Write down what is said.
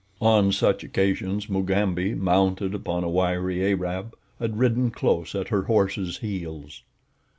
On such occasions Mugambi, mounted upon a wiry Arab, had ridden close at her horse's heels.